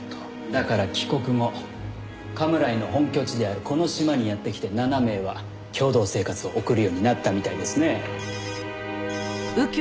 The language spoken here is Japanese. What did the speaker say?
だから帰国後甘村井の本拠地であるこの島にやって来て７名は共同生活を送るようになったみたいですね。